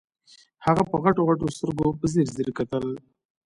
هغې په غټو غټو سترګو په ځير ځير کتل.